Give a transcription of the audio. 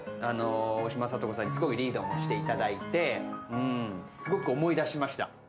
大島さと子さんにすごくリードもしていただいて、すごく思い出しました。